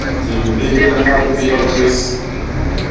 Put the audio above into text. Di mpéhlaha bibéba gwés.